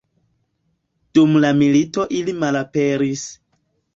Dum la milito ili malaperis.